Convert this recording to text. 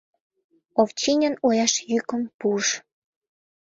— Овчинин уэш йӱкым пуыш.